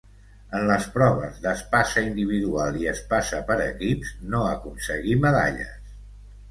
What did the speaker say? En les proves d'espasa individual i espasa per equips no aconseguí medalles.